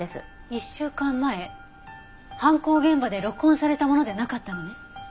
犯行現場で録音されたものじゃなかったのね。